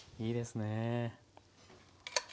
いいですねぇ。